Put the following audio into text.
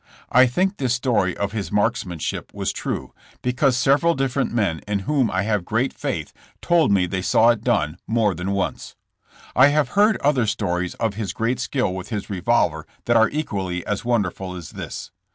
I think this story of his marksmanship was true, because several different men in whom I have great faith told me they saw it done more than once. I have heard other stories of his great skill with his revolver that are equally as wonderful as this.